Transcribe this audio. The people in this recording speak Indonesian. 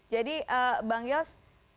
jadi bang yos